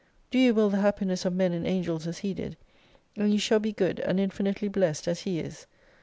Do you will the happiness oi men and angels as He did, and you shall be good, and infinitely blessed as He is.